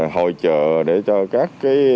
hội trợ cho các